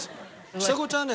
ちさ子ちゃんはね